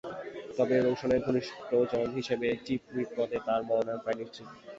তবে রওশনের ঘনিষ্ঠজন হিসেবে chief whip পদে তাঁর মনোনয়ন প্রায় চূড়ান্ত।